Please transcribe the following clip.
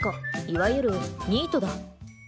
いわゆるニートだ。